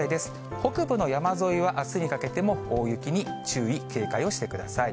北部の山沿いはあすにかけても大雪に注意、警戒をしてください。